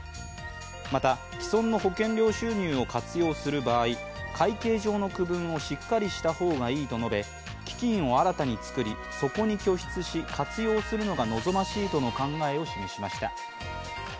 また、既存の保険料収入を活用する場合会計上の区分をしっかりした方がいいと述べ基金を新たに作り、そこに拠出し活用するのが望ましいとの考えを示しました。